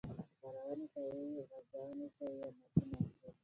خپرونې کوي، غزونې کوي او معاشونه اخلي.